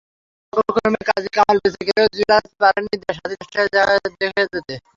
সৌভাগ্যক্রমে কাজী কামাল বেঁচে গেলেও জুয়েল, আজাদ পারেননি স্বাধীন দেশটা দেখে যেতে।